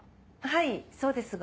はいそうですが。